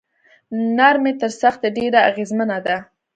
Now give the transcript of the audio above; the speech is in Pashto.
نرمي تر سختۍ ډیره اغیزمنه ده.